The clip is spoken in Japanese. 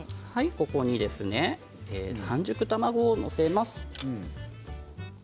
ここに半熟卵を載せます。